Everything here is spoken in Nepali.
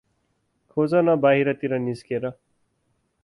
खोजन बाहिर तिर निस्केर ।